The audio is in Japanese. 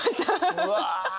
うわ！